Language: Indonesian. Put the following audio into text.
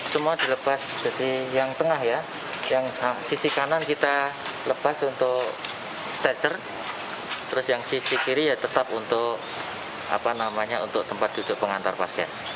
semua dilepas dari yang tengah ya yang sisi kanan kita lepas untuk statter terus yang sisi kiri ya tetap untuk tempat duduk pengantar pasien